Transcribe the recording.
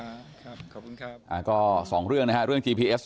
ตำรวจบอกว่าภายในสัปดาห์เนี้ยจะรู้ผลของเครื่องจับเท็จนะคะ